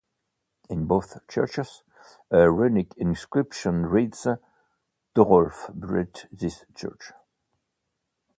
In both churches a runic inscription reads: "Torolf built this church".